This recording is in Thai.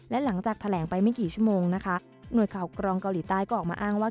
และหลังจากแถลงไปไม่กี่ชั่วโมงนะคะหน่วยข่าวกรองเกาหลีใต้ก็ออกมาอ้างว่า